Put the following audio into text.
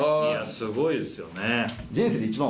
すごいですよね。